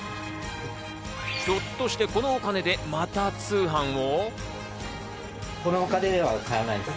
ひょっとして、このお金でまた通販を？